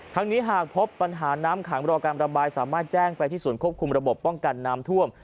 นี้หากพบปัญหาน้ำขังรอการระบายสามารถแจ้งไปที่ศูนย์ควบคุมระบบป้องกันน้ำท่วม